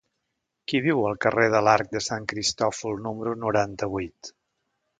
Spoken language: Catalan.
Qui viu al carrer de l'Arc de Sant Cristòfol número noranta-vuit?